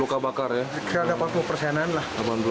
kira kira ada empat puluh persenan lah